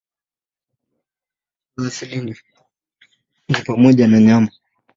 Chakula chao asili ni asali pamoja na nyama.